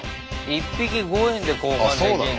１匹５円で交換できんだ。